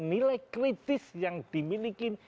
nilai kritis yang dimiliki